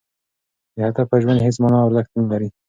بې هدفه ژوند هېڅ مانا او ارزښت نه لري.